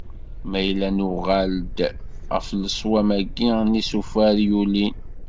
Ma yella nuɣal-d ɣef leswam-agi n yisufar i yulin.